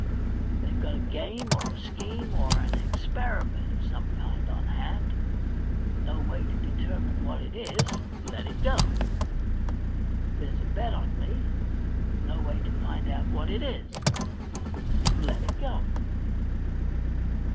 They've got a game, or a scheme, or an experiment of some kind on hand ; no way to determine what lo THE £1,000,000 BANK NOTE it is — let it go. There's a bet on me ; no way to find out what it is — let it go.